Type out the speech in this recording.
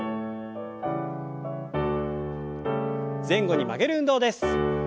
前後に曲げる運動です。